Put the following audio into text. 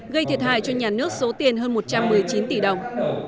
gây thiệt hại cho nhà nước số tiền hơn một trăm một mươi chín tỷ đồng